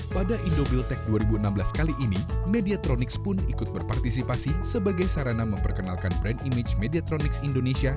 pada indobuil tech dua ribu enam belas kali ini mediatronics pun ikut berpartisipasi sebagai sarana memperkenalkan brand image mediatronics indonesia